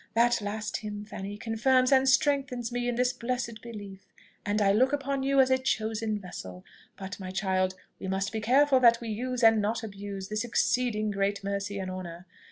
That last hymn, Fanny, confirms and strengthens me in this blessed belief, and I look upon you as a chosen vessel. But, my child, we must be careful that we use, and not abuse, this exceeding great mercy and honour.